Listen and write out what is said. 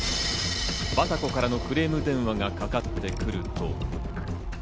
バタコからのクレーム電話がかかってくると。